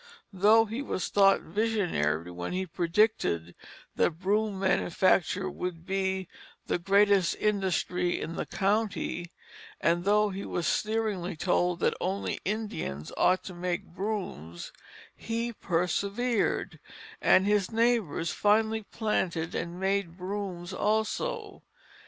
Though he was thought visionary when he predicted that broom manufacture would be the greatest industry in the county, and though he was sneeringly told that only Indians ought to make brooms, he persevered; and his neighbors finally planted and made brooms also.